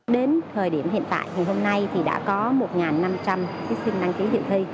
đến thời điểm hiện tại thì hôm nay thì đã có một năm trăm linh thí sinh đăng ký dự thi